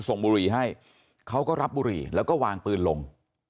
บุรีให้เขาก็รับบุหรี่แล้วก็วางปืนลง